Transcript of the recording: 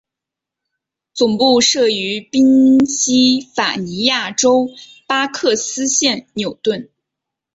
总部设于宾西法尼亚州巴克斯县纽顿。